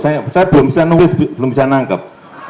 saya belum bisa nulis belum bisa nangkep